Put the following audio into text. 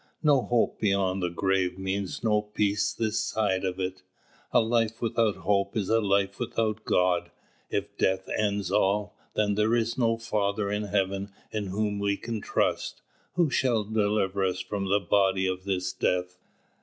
No hope beyond the grave means no peace this side of it. A life without hope is a life without God. If Death ends all, then there is no Father in Heaven in whom we can trust. Who shall deliver us from the body of this Death?